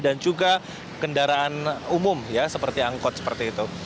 dan juga kendaraan umum ya seperti angkot seperti itu